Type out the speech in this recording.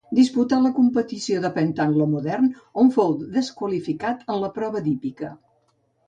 Disputà la competició del pentatló modern, on fou desqualificat en la prova d'hípica.